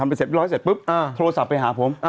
ทำมันเสร็จร้อยเสร็จปุ๊บโทรศัพท์ไปหาผม